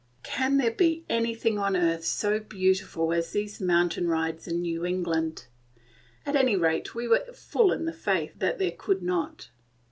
Can there be anything on earth so beautiful as these mountain rides in New England? At any rate we were full in the faith that there could not.